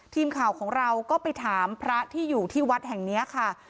ทีมข่าวของเราก็ไปถามพระที่อยู่ที่วัดแห่งนี้ค่ะ